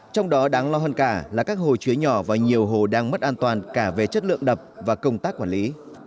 trong đó đáng lo hơn cả là các hồ chứa nhỏ và nhiều hồ đang mất an toàn cả về chất lượng đập và công tác quản lý